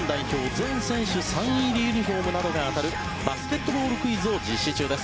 全選手サイン入りユニホームなどが当たるバスケットボールクイズを実施中です。